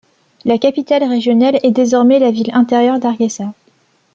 La capitale régionale est désormais la ville intérieure d'Hargeisa.